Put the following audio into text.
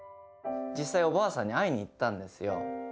実際おばあさんに会いに行ったんですよ。